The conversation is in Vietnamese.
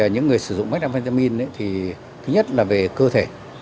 những người sử dụng metamentamin thì thứ nhất là về cơ thể